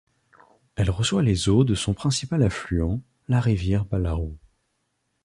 Elle reçoit les eaux de son principal affluent, la rivière Bas Larou.